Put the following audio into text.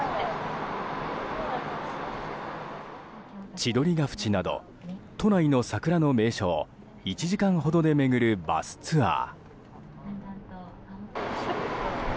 千鳥ケ淵など都内の桜の名所を１時間ほどで巡るバスツアー。